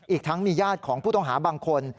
อีกทั้งมีญาติของผู้ต้องหาบางคน